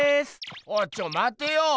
おいちょまてよ！